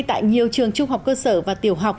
tại nhiều trường trung học cơ sở và tiểu học